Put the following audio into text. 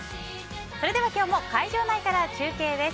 それでは、今日も会場内から中継です。